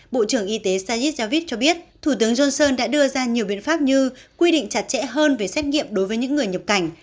bộ trưởng y tế sajit javid cho biết thủ tướng johnson đã đưa ra nhiều biện pháp như quy định chặt chẽ hơn về xét nghiệm đối với những người nhập cảnh